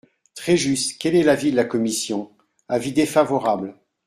Très juste ! Quel est l’avis de la commission ? Avis défavorable.